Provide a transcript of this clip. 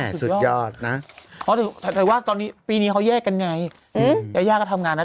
สุดยอดนะอ๋อแต่ว่าตอนนี้ปีนี้เขาแยกกันไงยาย่าก็ทำงานนะ